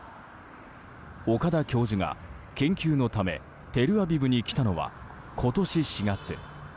岡田教授が研究のためテルアビブに来たのは今年４月。